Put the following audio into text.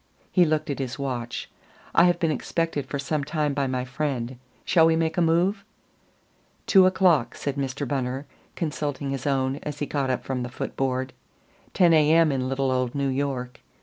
He looked at his watch. "I have been expected for some time by my friend. Shall we make a move?" "Two o'clock," said Mr. Bunner, consulting his own as he got up from the foot board. "Ten A. M. in little old New York.